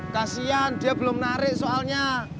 kasian dia belum narik soalnya